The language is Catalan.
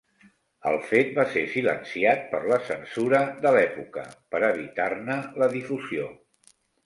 El fet va ser silenciat per la censura de l'època per evitar-ne la difusió.